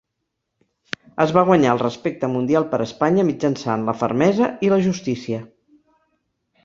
Es va guanyar el respecte mundial per Espanya mitjançant la fermesa i la justícia.